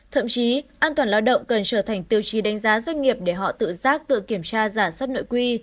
thậm chí an toàn lao động cần trở thành tiêu chí đánh giá doanh nghiệp để họ tự giác tự kiểm tra giả soát nội quy